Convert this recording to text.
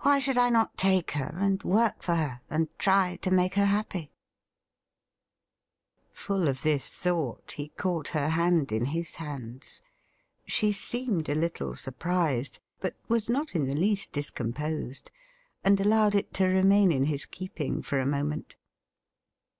Why should I not take her and work for her, and try to make her happy .?' Full of this thought, he caught her hand in his hands. She seemed a little sur prised, but was not in the least discomposed, and allowed it to remain in his keeping for a moment.